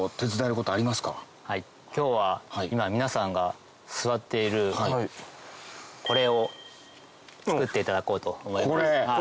今日は今皆さんが座っているこれを造っていただこうと思います。